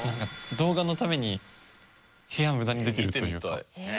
動画のために部屋を無駄にできるというか。